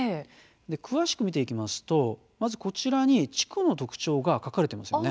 詳しく見ていきますとまずこちらに地区の特徴が書かれていますよね。